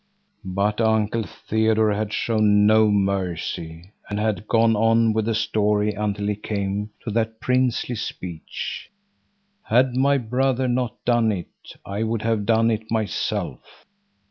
But Uncle Theodore had shown no mercy and had gone on with the story until he came to that princely speech: "Had my brother not done it, I would have done it myself."